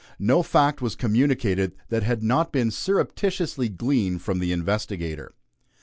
No fact was communicated that had not been surreptitiously gleaned from the investigator.